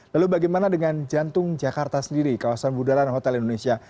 lalu bagaimana dengan jantung jakarta sendiri kawasan budaran hotel indonesia